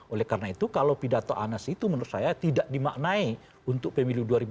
oleh karena itu kalau pidato anas itu menurut saya tidak dimaknai untuk pemilu dua ribu dua puluh